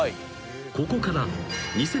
［ここから］